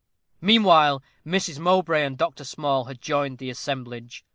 Meanwhile, Mrs. Mowbray and Dr. Small had joined the assemblage.